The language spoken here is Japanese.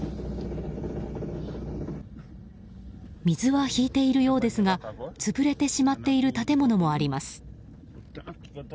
水は引いているようですが潰れてしまっている建物もあります。